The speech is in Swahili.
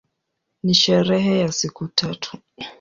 Ni sherehe ya siku tatu.